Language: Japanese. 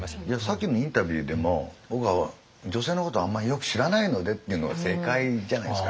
さっきのインタビューでも「僕は女性のことはあんまりよく知らないので」っていうのが正解じゃないですかやっぱ。